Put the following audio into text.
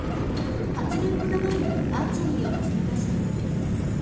８年ほど前にアーチェリーを始めました。